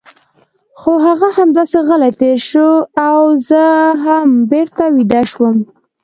خو هغه همداسې غلی تېر شو او زه هم بېرته ویده شوم.